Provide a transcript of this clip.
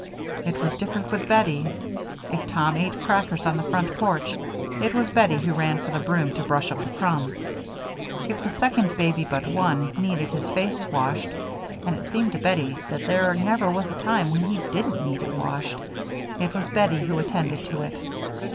It was different with Bettie. If Tom ate crackers on the front porch, it was Bettie who ran for the broom to brush up the crumbs. If the second baby but one needed his face washed and it seemed to Bettie that there never was a time when he didn't need it washed it was Bettie who attended to it.